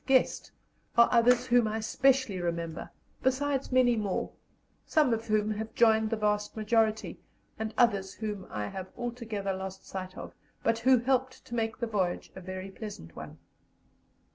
Guest, are others whom I specially remember; besides many more, some of whom have joined the vast majority, and others whom I have altogether lost sight of, but who helped to make the voyage a very pleasant one.